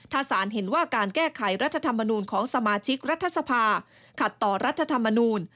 ถ้าสารเห็นว่าการแก้ไขรัฐธรรมนูลของสมาชิกรัฐสภาขัดต่อรัฐธรรมนูล